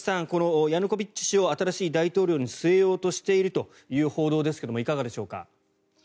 このヤヌコビッチ氏を新しい大統領に据えようとしているという報道ですがいかがでしょうか。